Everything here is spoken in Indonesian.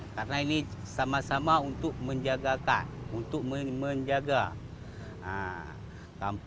karena ini sama sama untuk menjaga kart untuk menjaga kampung